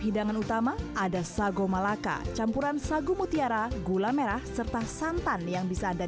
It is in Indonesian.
hidangan utama ada sago malaka campuran sagu mutiara gula merah serta santan yang bisa anda